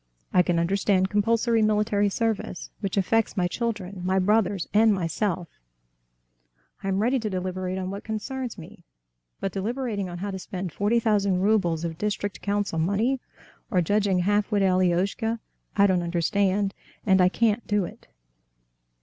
I can understand compulsory military service, which affects my children, my brothers, and myself, I am ready to deliberate on what concerns me; but deliberating on how to spend forty thousand roubles of district council money, or judging the half witted Alioshka—I don't understand, and I can't do it."